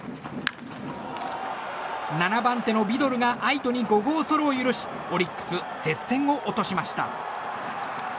７番手のビドルが愛斗に５号ソロを許しオリックス接戦を落としました。